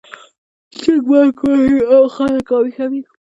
چرګ بانګ وايي او خلک راویښوي